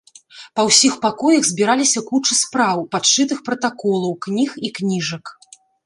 Па ўсіх пакоях збіраліся кучы спраў, падшытых пратаколаў, кніг і кніжак.